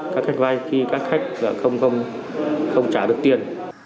các đối tượng cho các khách vay khi các khách không trả được tiền